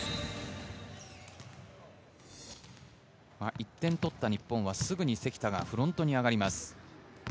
１点とった日本はすぐに関田がフロントに上がります。